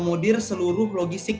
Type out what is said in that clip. atau memudir seluruh logistik